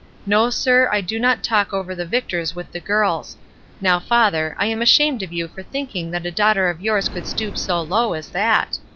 No, sir, I do not talk over the Victors with the girls; now, father, I am ashamed of you for thinking that a daughter of yours could stoop so low as that!